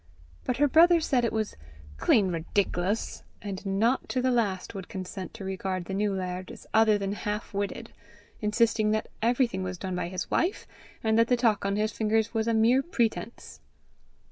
But her brother said it was "clean ridic'lous;" and not to the last would consent to regard the new laird as other than half witted, insisting that everything was done by his wife, and that the talk on his fingers was a mere pretence.